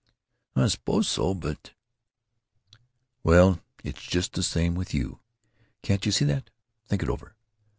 "Oh, I suppose so, but——" "Well, it's just the same with you. Can't you see that? Think it over.